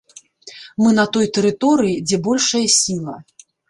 Мы на той тэрыторыі, дзе большая сіла.